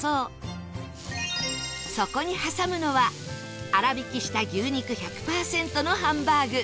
そこに挟むのは粗挽きした牛肉１００パーセントのハンバーグ